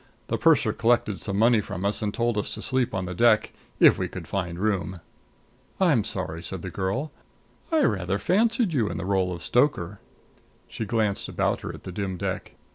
The purser collected some money from us and told us to sleep on the deck if we could find room." "I'm sorry," said the girl. "I rather fancied you in the role of stoker." She glanced about her at the dim deck.